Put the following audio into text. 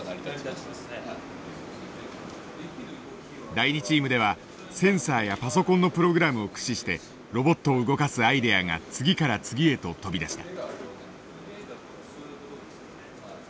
第２チームではセンサーやパソコンのプログラムを駆使してロボットを動かすアイデアが次から次へと飛び出した。